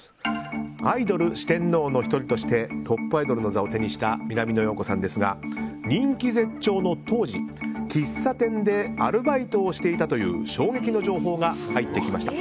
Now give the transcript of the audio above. アイドル四天王の１人としてトップアイドルの座を手にした南野陽子さんですが人気絶頂の当時、喫茶店でアルバイトをしていたという衝撃の情報が入ってきました。